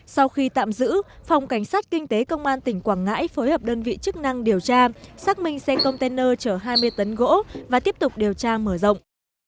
sau khi tạm giữ phòng cảnh sát kinh tế công an tỉnh quảng ngãi phối hợp đơn vị chức năng điều tra xác minh xe container chở hai mươi tấn gỗ và tiếp tục điều tra mở rộng